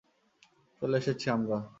চলে এসেছি আমরা।